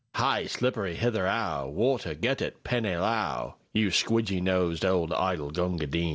Hi! slippy hitherao! Water, get it! Panee lao! You squidgy nosed old idol, Gunga Din!"